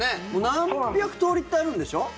何百通りってあるんでしょ？